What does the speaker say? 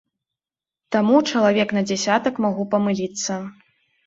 Таму чалавек на дзясятак магу памыліцца.